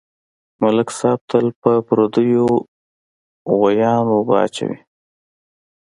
ملک صاحب تل په پردیو غویانواوبه اچوي.